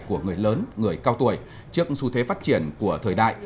của người lớn người cao tuổi trước xu thế phát triển của thời đại